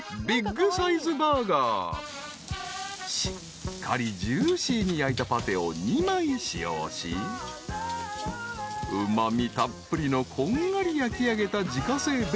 ［しっかりジューシーに焼いたパテを２枚使用しうまみたっぷりのこんがり焼きあげた自家製ベーコンを３枚］